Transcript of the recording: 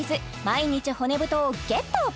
毎日骨太をゲット！